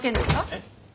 えっ？